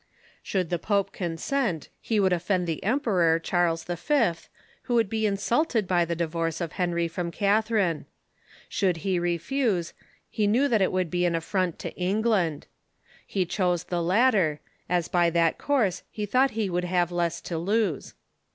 Should the pope consent, he Avould offend the Emperor Charles V., who would be insulted by the divorce of Henry from Catharine. Should he refuse, he knew that it would be an affront to England. He chose the latter, as by that course he thought he would have less to lose.